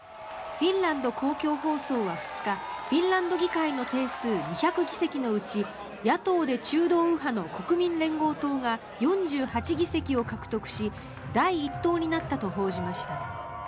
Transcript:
フィンランド公共放送は２日フィンランド議会の定数２００議席のうち野党で中道右派の国民連合党が４８議席を獲得し第１党になったと報じました。